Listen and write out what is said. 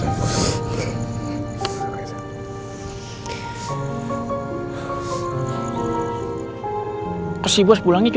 dan kamu salah satu orang itu